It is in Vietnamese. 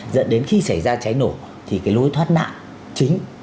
dẫn đến khi xảy ra cháy nổ thì cái lối thoát nạn chính